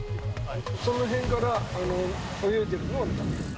その辺から泳いでいるのは見た。